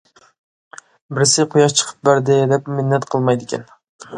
بىرسى قۇياش چىقىپ بەردى دەپ مىننەت قىلمايدىكەن.